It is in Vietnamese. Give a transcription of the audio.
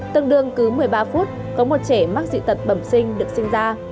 tầng đường cứ một mươi ba phút có một trẻ mắc dị tật bẩm sinh được sinh ra